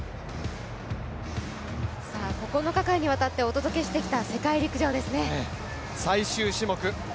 ９日間にわたってお届けしてきた世界陸上、最終種目ですね。